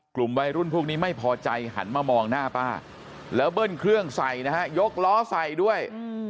กลุ่มวัยรุ่นพวกนี้ไม่พอใจหันมามองหน้าป้าแล้วเบิ้ลเครื่องใส่นะฮะยกล้อใส่ด้วย